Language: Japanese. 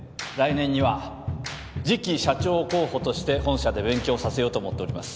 来年には次期社長候補として本社で勉強させようと思っております